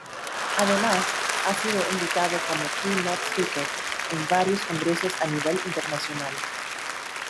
Además ha sido invitado como key-note speaker en varios congresos a nivel internacional.